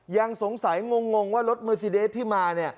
ยังสงสัยงงว่ารถเมอร์ซีเดสที่มา